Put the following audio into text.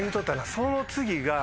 その次が。